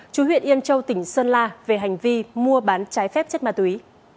chú huyện yên châu tỉnh sơn la về hành vi mua bán trái phép chất ma túy